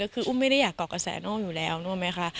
คืออุ้มไม่ได้อยากเกาะกระแสโน่อยู่แล้วนึกไหมคะ